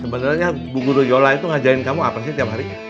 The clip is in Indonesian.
sebenernya buku doyola itu ngajakin kamu apa sih tiap hari